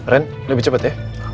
ren lebih cepet ya